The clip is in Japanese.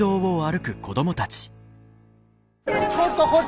ちょっとこっち。